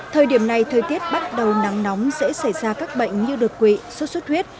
thời điểm này thời tiết bắt đầu nắng nóng dễ xảy ra các bệnh như đột quỵ sốt suốt huyết